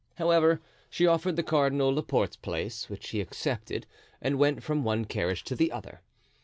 However, she offered the cardinal Laporte's place, which he accepted and went from one carriage to the other.